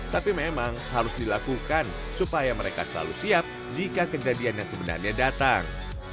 tapi memang harus dilakukan supaya mereka selalu siap jika kejadian yang sebenarnya datang